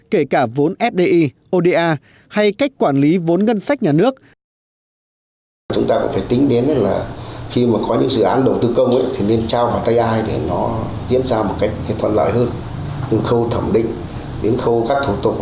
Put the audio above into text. kể cả vốn fdi oda